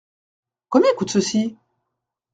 Combien coûte ceci ?